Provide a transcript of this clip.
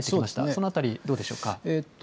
そのあたりどうでしょうか。